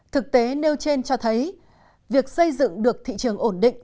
thực tế nêu trên cho thấy việc xây dựng được thị trường ổn định